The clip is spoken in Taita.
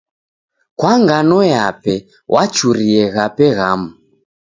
Kwa ngano yape wachurie ghape ghamu.